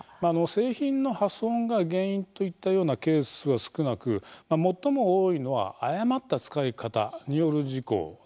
製品の破損が原因といったようなケースは少なく最も多いのは誤った使い方。